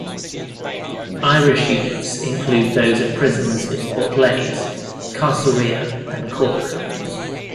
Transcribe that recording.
Irish units include those at prisons in Portlaise, Castelrea, and Cork.